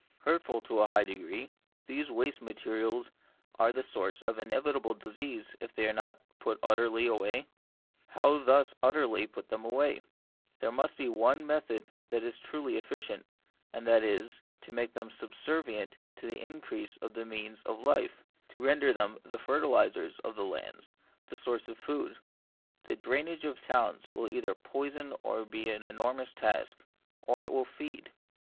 Hurtful to a high degree, these waste materials are the source of inevitable disease if they are not put utterly away ? But how thus utterly put them away ? There is but one method that is truly efficient, and that is, to make them subservient to the increase of the means of life, to render them the fertilisers of our lands, the source of food. The drainage of towns will either poison or be an enormous tax, or it will feed.